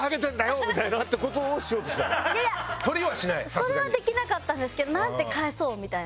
それはできなかったんですけどなんて返そうみたいな。